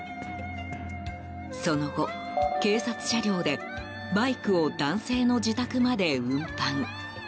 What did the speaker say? その後、警察車両でバイクを男性の自宅まで運搬。